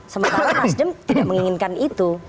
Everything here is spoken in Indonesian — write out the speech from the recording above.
sementara nasdem tidak menginginkan itu